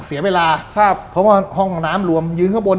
เสียเวลาครับเพราะว่าห้องน้ำรวมยืนข้างบน